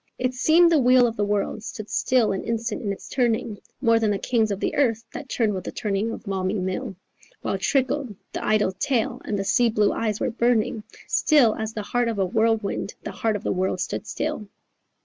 It seemed the wheel of the world stood still an instant in its turning, More than the kings of the earth that turned with the turning of Valmy mill: While trickled the idle tale and the sea blue eyes were burning, Still as the heart of a whirlwind the heart of the world stood still.